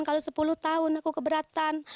kalau sepuluh tahun aku keberatan